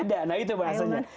beda nah itu maksudnya